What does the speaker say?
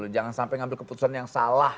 jangan sampai ngambil keputusan yang salah